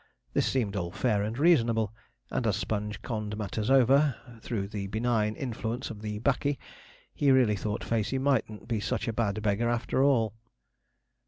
This seemed all fair and reasonable; and as Sponge conned matters over, through the benign influence of the ''baccy,' he really thought Facey mightn't be such a bad beggar after all.